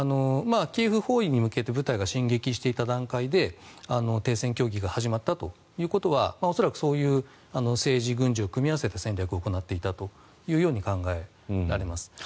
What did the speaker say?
キエフ包囲に向けて部隊が進撃していた段階で停戦協議が始まったということは恐らくそういう政治、軍事を組み合わせた戦略を行っていたと考えられます。